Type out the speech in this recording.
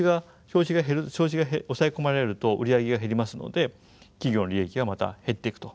消費が抑え込まれると売り上げが減りますので企業の利益がまた減っていくと。